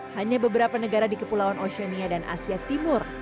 hanya beberapa negara di kepulauan oceania dan asia timur